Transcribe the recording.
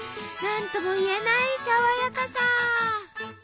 なんともいえない爽やかさ。